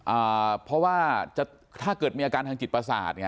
อ่าเพราะว่าจะถ้าเกิดมีอาการทางจิตประสาทไง